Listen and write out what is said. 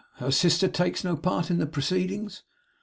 Her sister takes no part in the proceedings?